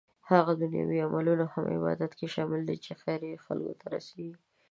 هغه دنيوي عملونه هم عبادت کې شامل دي چې خير يې خلکو ته رسيږي